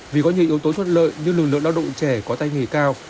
vì có nhiều yếu tố xuất lợi như lưu lượng lao động trẻ có tay nghề cao